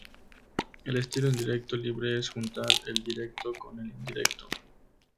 El estilo indirecto libre es juntar el directo con el indirecto